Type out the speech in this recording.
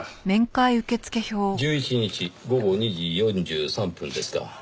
１１日午後２時４３分ですか。